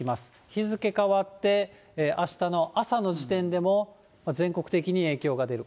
日付変わって、あしたの朝の時点でも、全国的に影響が出る。